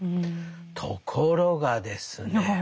ところがですね